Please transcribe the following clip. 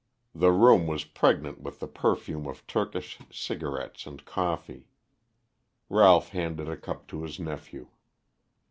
The room was pregnant with the perfume of Turkish cigarettes and coffee. Ralph handed a cup to his nephew.